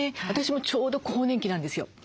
私もちょうど更年期なんですよ。